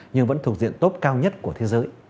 nhưng vẫn thuộc diện tốt cao nhất của thế giới